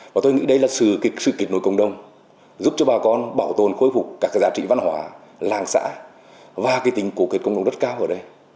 và tôi nghĩ đây là sự kịch nối cộng đồng giúp cho bà con bảo tồn khôi phục các giá trị văn hóa làng xã và tính cổ kiệt cộng đồng đất cao ở đây